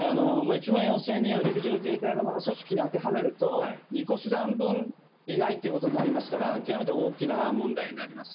１万４０００人を陸上自衛隊の組織に当てはめると２個師団分以内ということになりますから極めて大きな問題になります。